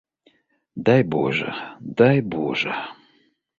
Дай божа, дай божа!